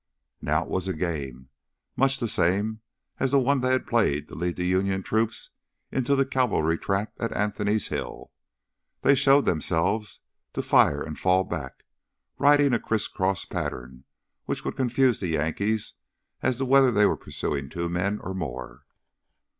Now it was a game, much the same as the one they had played to lead the Union troops into the cavalry trap at Anthony's Hill. They showed themselves, to fire and fall back, riding a crisscross pattern which would confuse the Yankees as to whether they were pursuing two men or more.